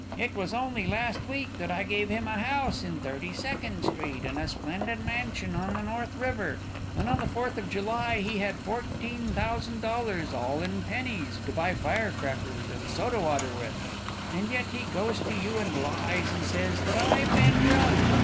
It was only last week that I gave him a house in Thirty second street, and a splendid mansion on the North River; and on the 4th of July he had fourteen thousand dollars, all in pennies, to buy fire crackers and soda water with; and yet he goes to you and lies, and says that I've been drunk.